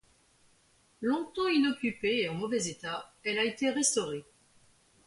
Longtemps inoccupée et en mauvais état, elle a été restaurée.